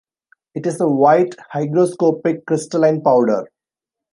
It is a white, hygroscopic crystalline powder.